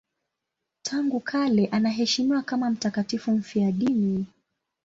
Tangu kale anaheshimiwa kama mtakatifu mfiadini.